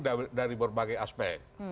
sudah mendekati dari berbagai aspek